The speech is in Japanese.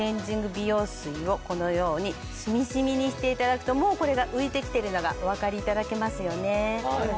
美容水をこのようにしみしみにしていただくともうこれが浮いてきてるのがお分かりいただけますよね。